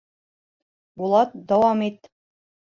Булат, дауам ит.